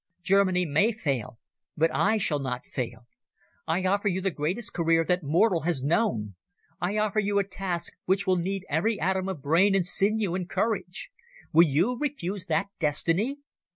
Germany may fail, but I shall not fail. I offer you the greatest career that mortal has known. I offer you a task which will need every atom of brain and sinew and courage. Will you refuse that destiny?"